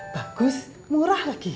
bagus murah lagi